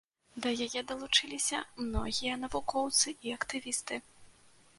Да яе далучыліся многія навукоўцы і актывісты.